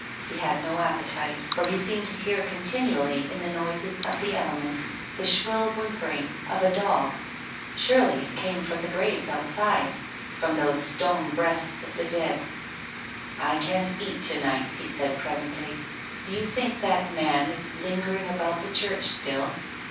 He had no appetite, for he seemed to hear continually in the noises of the elements the shrill whimpering 22 TONGUES OF CONSCIENCE. of a dog. Surely it came from the graves outside, from those stone breasts of the dead. " I can't cat to night," he said presently. " Do you think that man is lingering about the church still?"